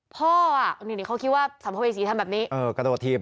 พ่ออะเขาคิดว่าสำภเวศีทำแบบนี้